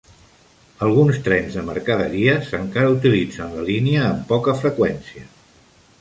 Alguns trens de mercaderies encara utilitzen la línia amb poca freqüència.